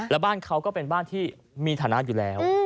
แล้วบ้านเขาก็เป็นบ้านที่มีฐานะอยู่แล้ว